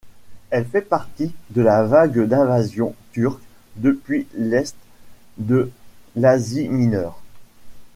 Elle fait partie de la vague d'invasion turque depuis l'est de l'Asie Mineure.